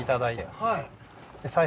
はい。